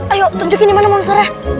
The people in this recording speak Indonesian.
ayo tunjukin di mana monsternya